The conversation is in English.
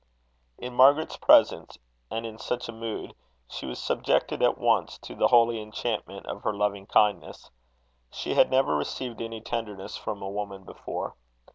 In Margaret's presence, and in such a mood, she was subjected at once to the holy enchantment of her loving kindness. She had never received any tenderness from a woman before.